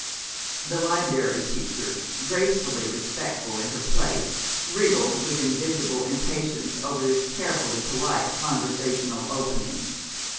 The Liberry Teacher, gracefully respectful in her place, wriggled with invisible impatience over this carefully polite conversational opening.